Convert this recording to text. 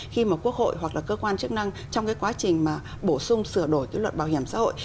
khi mà quốc hội hoặc là cơ quan chức năng trong cái quá trình mà bổ sung sửa đổi cái luật bảo hiểm xã hội